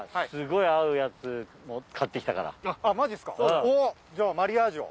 すごい合うやつ買ってきたから。